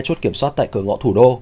chốt kiểm soát tại cửa ngõ thủ đô